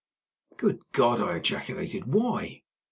"Good God!" I ejaculated. "Why?"